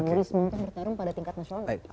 jadi mungkin bertarung pada tingkat nasional